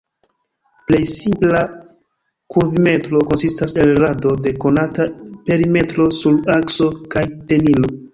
Plej simpla kurvimetro konsistas el rado de konata perimetro sur akso kaj tenilo.